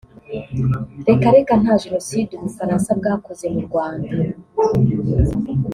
"reka reka nta Genocide ubufransa bwakoze mu rwanda